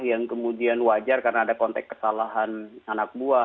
yang kemudian wajar karena ada konteks kesalahan anak buah